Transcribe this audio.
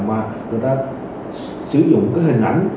mà người ta sử dụng cái hình ảnh